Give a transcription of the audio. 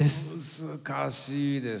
難しいですね。